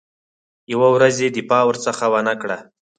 یوه ورځ یې دفاع ورڅخه ونه کړه.